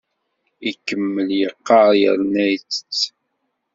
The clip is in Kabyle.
Ikemmel yeqqar yerna ittett.